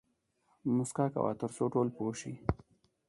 موسکا کوه تر څو ټول پوه شي